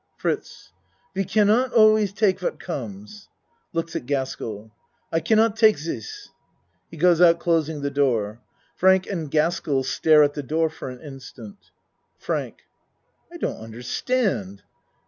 FRITZ We cannot always take what comes. (Looks at Cask ell.) I cannot take dis. (He goes out closing the door. Frank and Gaskell stare at the door for an instant.) FRANK I don't understand.